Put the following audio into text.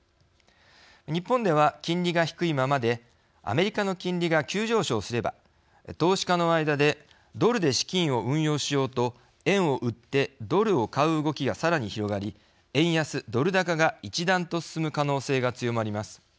日本では金利が低いままでアメリカの金利が急上昇すれば投資家の間でドルで資金を運用しようと円を売ってドルを買う動きがさらに広がり円安ドル高が一段と進む可能性が強まります。